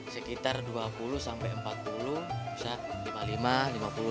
sekitar dua puluh sampai empat puluh bisa lima puluh lima lima puluh